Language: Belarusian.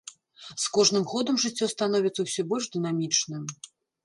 З кожным годам жыццё становіцца ўсё больш дынамічным.